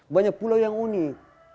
banyak pulau yang unik